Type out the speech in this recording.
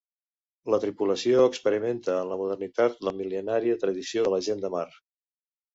La tripulació experimenta en la modernitat la mil·lenària tradició de la gent de mar.